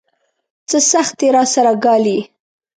څه سختۍ راسره ګالي.